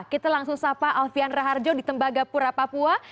kita langsung sapa alfian raharjo di tembagapura papua